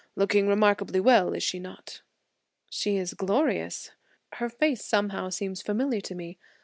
Looking remarkably well, is she not?" "She is glorious! Her face somehow seems familiar to me.